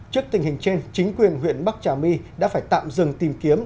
trước tình hình trên chính quyền huyện bắc trà my đã phải tạm dừng tìm kiếm